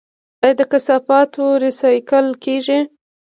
آیا د کثافاتو ریسایکل کیږي؟